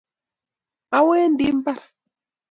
Awendi imbar.